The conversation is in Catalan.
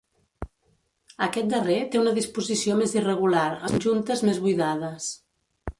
Aquest darrer té una disposició més irregular, amb juntes més buidades.